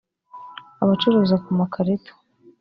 abacuruza ku makarito